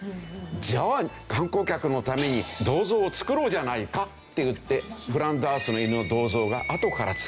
じゃあ観光客のために銅像を作ろうじゃないかっていって『フランダースの犬』の銅像があとから作られた。